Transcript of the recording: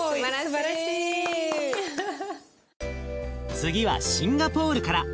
次はシンガポールから。